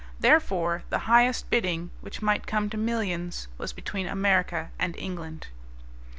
Therefore, the highest bidding, which might come to millions, was between America and England.